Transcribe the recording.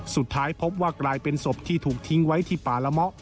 สุดท้ายพบว่ากลายเป็นศพที่ถูกทิ้งไว้ที่ป่าละเมาะ